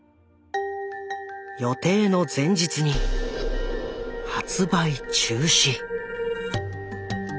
予定の前日に発売中止！